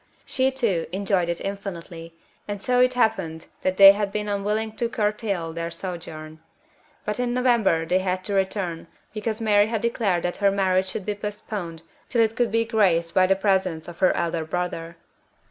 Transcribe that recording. She too enjoyed it infinitely, and so it happened that they had been unwilling to curtail their sojourn. But in November they had to return, because Mary had declared that her marriage should be postponed till it could be graced by the presence of her elder brother.